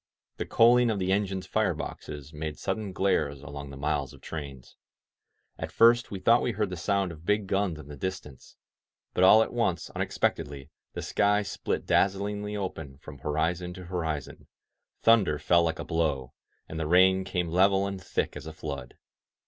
The coaling of the engines' fire boxes made sudden glares along the miles of trains. At first we thought we heard the sound of big guns in the distance. But all at once, unexpectedly, the sky split dazzlingly open from horizon to horizon, thunder fell like a blow, and the rain came level and thick as a flood.